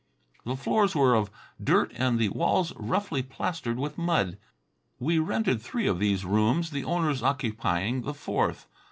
The floors were of dirt and the walls roughly plastered with mud. We rented three of these rooms, the owners occupying the fourth.